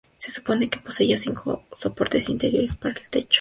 Se supone que poseía cinco soportes interiores para el techo.